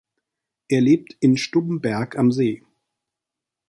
Er lebt in Stubenberg am See.